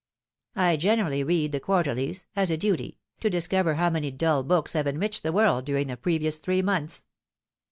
I generally read the Quarterlies as a duty to discover how many dull books have enriched the world during the previous three months."